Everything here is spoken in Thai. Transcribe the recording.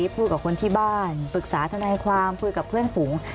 พูดกับคนที่บ้านปรึกษาทนายความคุยกับเพื่อนฝูง